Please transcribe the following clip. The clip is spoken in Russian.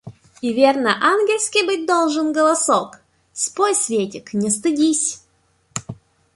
И верно ангельский быть должен голосок! Спой, светик, не стыдись!